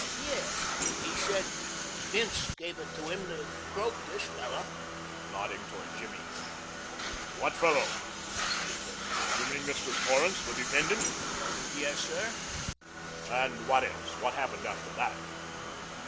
"Yes, he said Bince gave it to him to croak this fellow" nodding toward Jimmy. "What fellow?" asked the attorney. "You mean Mr. Torrance, the defendant?" "Yes, sir." "And what else? What happened after that?"